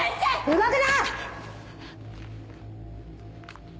動くな！